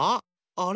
あれ？